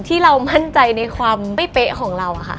ที่เรามั่นใจในความไม่เป๊ะของเราค่ะ